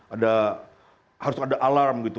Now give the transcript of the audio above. ada harus ada alarm gitu